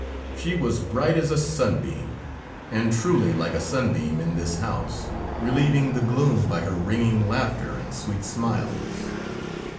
She was bright as a sunbeam, and truly like a sunbeam in this house, relieving the gloom by her ringing laughter and sweet smiles.